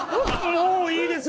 もういいですよ！